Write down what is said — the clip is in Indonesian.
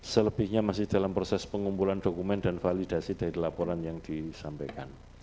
selebihnya masih dalam proses pengumpulan dokumen dan validasi dari laporan yang disampaikan